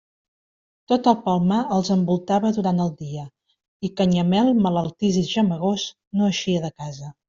Tot el Palmar els envoltava durant el dia, i Canyamel, malaltís i gemegós, no eixia de casa.